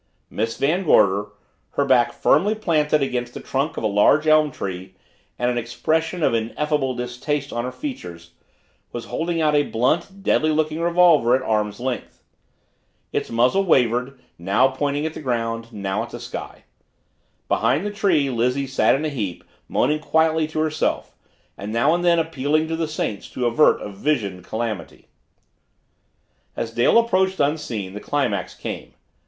Miss Van Gorder, her back firmly planted against the trunk of a large elm tree and an expression of ineffable distaste on her features, was holding out a blunt, deadly looking revolver at arm's length. Its muzzle wavered, now pointing at the ground, now at the sky. Behind the tree Lizzie sat in a heap, moaning quietly to herself, and now and then appealing to the saints to avert a visioned calamity. As Dale approached, unseen, the climax came.